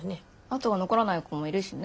痕が残らない子もいるしね。